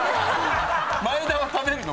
前田は食べるの？